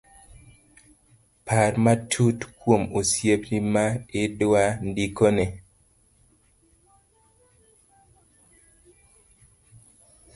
par matut kuom osiepni ma idwa ndikone